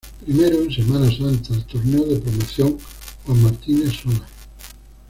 Primero, en semana santa, el Torneo de Promoción Juan Martínez Sola.